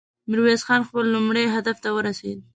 ميرويس خان خپل لومړني هدف ته ورسېد.